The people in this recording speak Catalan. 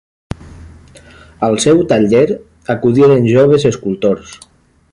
Al seu taller acudiren joves escultors.